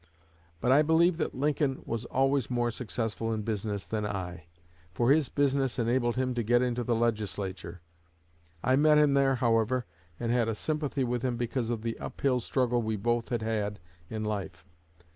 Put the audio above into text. But I believe that Lincoln was always more successful in business than I, for his business enabled him to get into the Legislature. I met him there, however, and had a sympathy with him because of the up hill struggle we both had had in life.